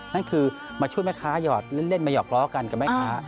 นั่นคือมาช่วยแม่ค้าหยอดเล่นมาหยอกล้อกันกับแม่ค้า